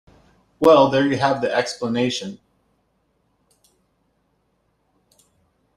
Well, there you have the explanation.